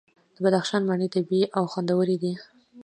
د بدخشان مڼې طبیعي او خوندورې دي.